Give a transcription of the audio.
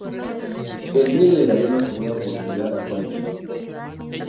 El cine le daría una segunda oportunidad a Holliday.